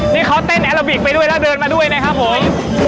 นี่เขาเต้นแอลบิกไปด้วยแล้วเดินมาด้วยนะครับผม